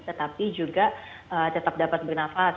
tetapi juga tetap dapat bernafas